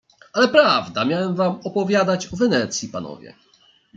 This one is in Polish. "Ale prawda, miałem wam opowiadać o Wenecji, panowie."